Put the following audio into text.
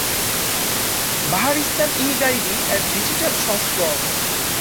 বাহারিস্তান-ই-গায়বী এর ডিজিটাল সংস্করণ